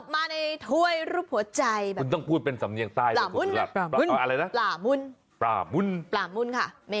มาดูและนี่คือ